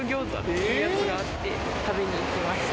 食べに行きました。